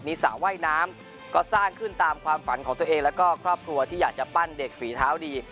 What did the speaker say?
มีสระว่ายน้ำก็สร้างขึ้นตามความฝันของตัวเองแล้วก็ครอบครัวที่อยากจะปั้นเด็กฝีเท้าดี